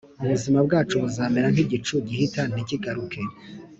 ubuzima bwacu buzamera nk’igicu gihita ntikigaruke,